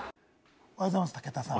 おはようございます、武田さん。